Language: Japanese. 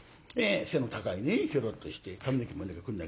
背の高いねひょろっとして髪の毛もこんな感じで。